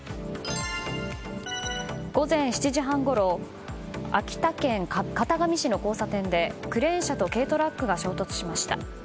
午前７時半ごろ秋田県潟上市の交差点でクレーン車と軽トラックが衝突しました。